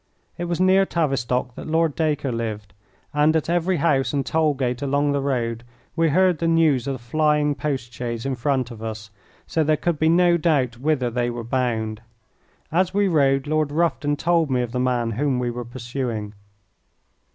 It was near Tavistock that Lord Dacre lived, and at every house and toll gate along the road we heard the news of the flying post chaise in front of us, so there could be no doubt whither they were bound. As we rode Lord Rufton told me of the man whom we were pursuing.